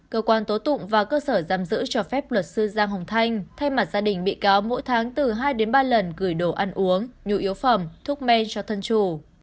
cơ quan tố tụng và cơ sở giam giữ cho phép luật sư giang hồng thanh thay mặt gia đình bị cáo mỗi tháng từ hai đến ba lần gửi đồ ăn uống nhu yếu phẩm thuốc men cho thân chủ